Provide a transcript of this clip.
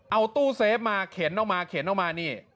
เอาตู้เซฟมาเข็นออกมาเข็นออกมานี่